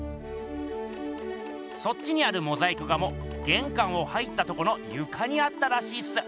そっちにあるモザイク画もげんかんを入ったとこのゆかにあったらしいっす。